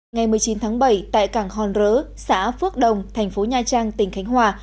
ngày một mươi chín tháng bảy tại cảng hòn rỡ xã phước đồng thành phố nha trang tỉnh khánh hòa